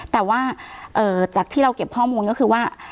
แต่ว่าจากที่เราเก็บข้อมูลก็คือว่า